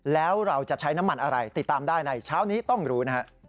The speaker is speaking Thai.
แล้วเราจะใช้น้ำมันอะไรติดตามได้ในเช้านี้ต้องรู้นะฮะ